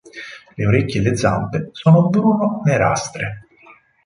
Le orecchie e le zampe sono bruno-nerastre.